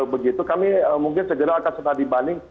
begitu kami mungkin segera akan setadibanding